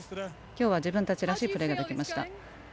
今日は自分たちらしいプレーができました。